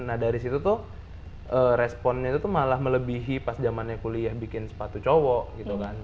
nah dari situ tuh responnya tuh malah melebihi pas zamannya kuliah bikin sepatu cowok gitu kan